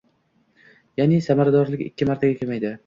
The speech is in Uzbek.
Yaʼni samaradorlik ikki martaga kamayadi